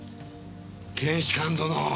検視官殿。